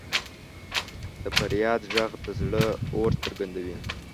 د فریاد ږغ د زړه اور څرګندوي.